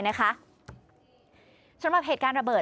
เท่าที่เหตุการณ์การระเบิด